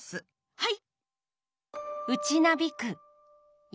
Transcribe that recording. はい！